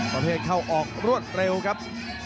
ประเภทเข้าออกรวดเร็วครับ